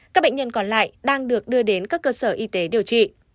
các bệnh nhân còn lại đang được đưa đến các cơ sở y tế điều trị